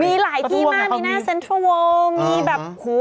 มีหลายที่มามีหน้าเซ็นทรัลโวลด์มีแบบหูตามหูมือใหญ่